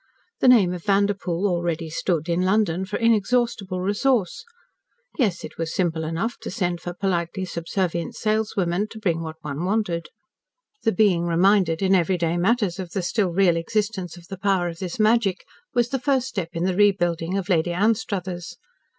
The name of Vanderpoel already stood, in London, for inexhaustible resource. Yes, it was simple enough to send for politely subservient saleswomen to bring what one wanted. The being reminded in every day matters of the still real existence of the power of this magic was the first step in the rebuilding of Lady Anstruthers.